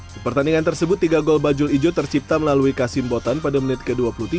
di pertandingan tersebut tiga gol bajul ijo tercipta melalui kasim botan pada menit ke dua puluh tiga